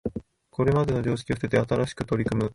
これまでの常識を捨てて新しく取り組む